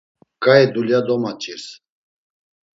Ǩai dulya domaç̌irs.